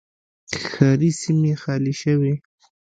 ښاري سیمې خالي شوې